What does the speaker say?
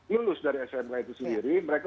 lulus dari smk itu sendiri mereka